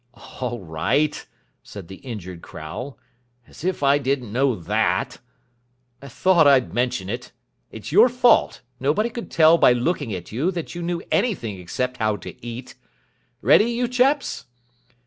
"All right," said the injured Crowle. "As if I didn't know that." "Thought I'd mention it. It's your fault. Nobody could tell by looking at you that you knew anything except how to eat. Ready, you chaps?"